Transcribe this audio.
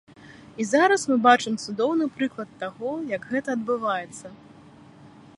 І зараз мы бачым цудоўны прыклад таго, як гэта адбываецца.